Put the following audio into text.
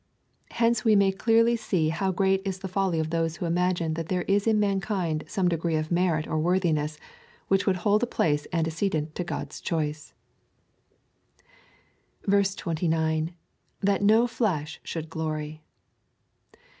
Hence we may clearly see how great is the folly of those who imagine that there is in mankind some degree of merit or worthiness, which would hold a place antecedent to God's choice. 29. That no flesh should glory.